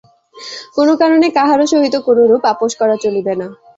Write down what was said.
কোন কারণে কাহারও সহিত কোনরূপ আপস করা চলিবে না।